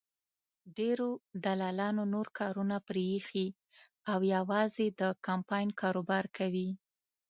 ډېرو دلالانو نور کارونه پرېښي او یوازې د کمپاین کاروبار کوي.